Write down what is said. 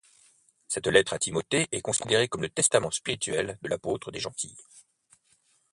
Cette lettre à Timothée est considérée comme le testament spirituel de l’apôtre des gentils.